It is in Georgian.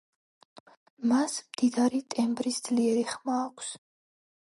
მას მდიდარი ტემბრის ძლიერი ხმა აქვს.